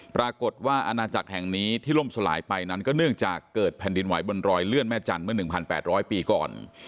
อาณาจักรแห่งนี้ที่ล่มสลายไปนั้นก็เนื่องจากเกิดแผ่นดินไหวบนรอยเลื่อนแม่จันทร์เมื่อ๑๘๐๐ปีก่อน